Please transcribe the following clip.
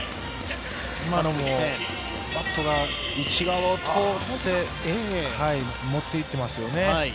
今のも、バットが内側を通って持っていっていますよね。